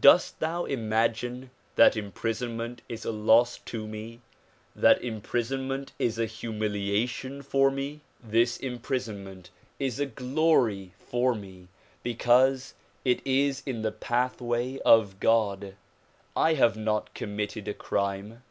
Dost thou imagine that impris onment is a loss to me, that imprisonment is a humiliation for me ? This imprisonment is a glory for me because it is in the pathway of God. I have not committed a crime.